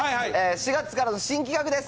４月からの新企画です。